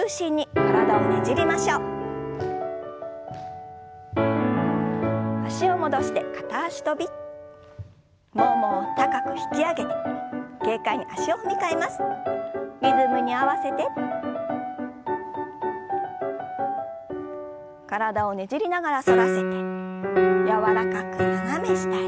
体をねじりながら反らせて柔らかく斜め下へ。